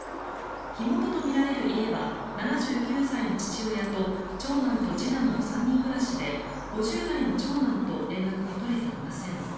火元とみられる家は７９歳の父親と長男と次男の３人暮らしで５０代の長男と連絡が取れていません。